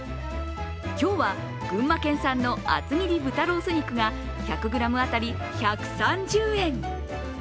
今日は群馬県産の厚切り豚ロース肉が１００ｇあたり１３０円